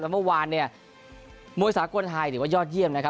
เมื่อวานเนี่ยมวยสากลไทยถือว่ายอดเยี่ยมนะครับ